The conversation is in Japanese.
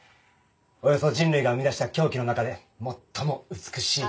およそ人類が生み出した凶器の中で最も美しい。